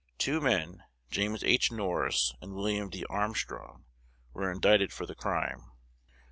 Two men, James H. Norris and William D. Armstrong, were indicted for the crime.